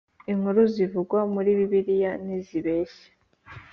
inkuru zivugwa muri bibiliya ntizibeshya